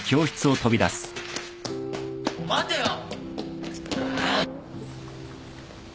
待てよ。